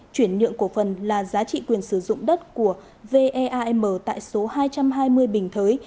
chuyển nhượng cổ phần là giá trị quyền sử dụng đất của veam tại số hai trăm hai mươi bình thới